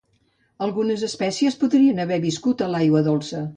Algunes espècies podrien haver viscut a l'aigua dolça.